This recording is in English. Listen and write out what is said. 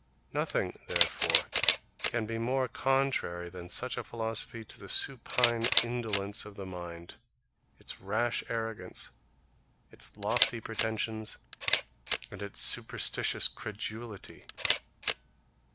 Nothing, therefore, can be more contrary than such a philosophy to the supine indolence of the mind, its rash arrogance, its lofty pretensions, and its superstitious credulity.